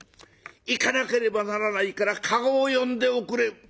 行かなければならないから駕籠を呼んでおくれ」。